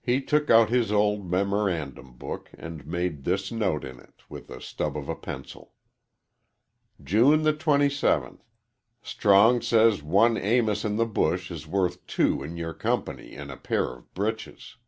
He took out his old memorandum book and made this note in it with a stub of a pencil: _"June the 27 Strong says one Amos in the bush is worth two in yer company an a pair of britches."